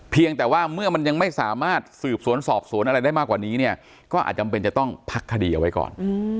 เพียงแต่ว่าเมื่อมันยังไม่สามารถสืบสวนสอบสวนอะไรได้มากกว่านี้เนี่ยก็อาจจำเป็นจะต้องพักคดีเอาไว้ก่อน